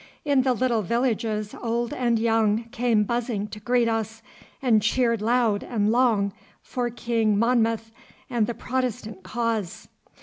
In the little villages old and young came buzzing to greet us, and cheered long and loud for King Monmouth and the Protestant cause.